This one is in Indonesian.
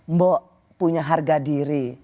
mbok punya harga diri